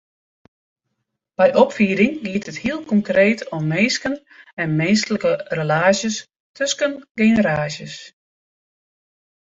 By opfieding giet it heel konkreet om minsken en minsklike relaasjes tusken generaasjes.